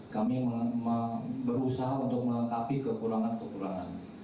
kami berusaha untuk melengkapi kekurangan kekurangan